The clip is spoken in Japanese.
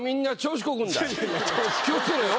気をつけろよ。